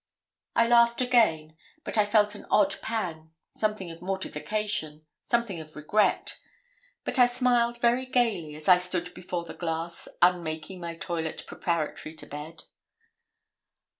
I laughed again; but I felt an odd pang something of mortification something of regret; but I smiled very gaily, as I stood before the glass, un making my toilet preparatory to bed.